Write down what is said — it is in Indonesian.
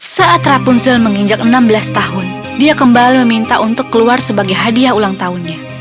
saat rapunzel menginjak enam belas tahun dia kembali meminta untuk keluar sebagai hadiah ulang tahunnya